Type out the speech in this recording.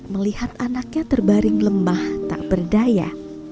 melihat anaknya terbaring lemah tak berdaya